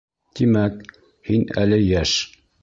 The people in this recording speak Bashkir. — Тимәк, һин әле йәш.